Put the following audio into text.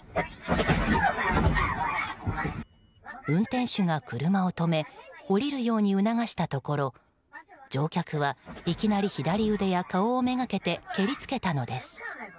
運転手が車を止め降りるように促したところ乗客はいきなり左腕や顔をめがけて蹴りつけたのです。